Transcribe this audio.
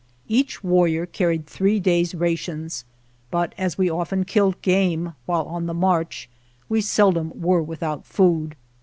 Each warrior carried three days' ra tions, but as we often killed game while on the march, we seldom were without food.